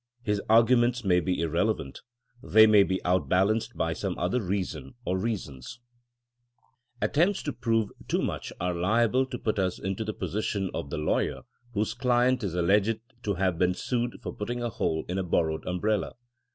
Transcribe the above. His argu ments may be irrelevant; they may be outbal anced by some other reason or reasons. At THINKINO AS A SCIENCE 131 tempts to prove too much are liable to put us into the position of the lawyer whose client is alleged to have been sued for putting a hole in a borrowed umbrella.